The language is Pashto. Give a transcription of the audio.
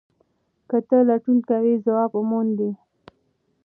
که ته لټون کوې ځواب موندې.